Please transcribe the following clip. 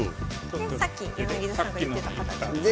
でさっき柳田さんが言ってた形にする。